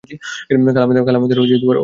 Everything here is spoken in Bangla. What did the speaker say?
কাল আমাদের ওখানে নিমন্ত্রণ রহিল!